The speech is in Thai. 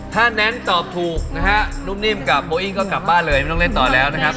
ถ้าแนนตอบถูกนะฮะนุ่มนิ่มกับโบอิ้งก็กลับบ้านเลยไม่ต้องเล่นต่อแล้วนะครับ